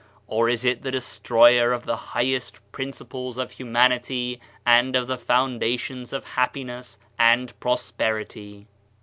Or is it the destroyer of the highest prin ciples of humanity and of the foundations of hap piness and prosperity?